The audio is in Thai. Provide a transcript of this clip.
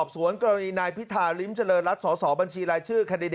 เสร็จ